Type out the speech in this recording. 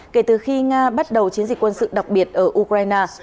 kể từ khi nga bắt đầu chiến dịch quân sự đặc biệt ở ukraine